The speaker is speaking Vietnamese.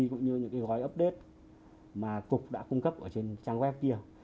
cũng như những gói update mà cục đã cung cấp trên trang web kia